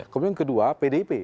kemudian kedua pdip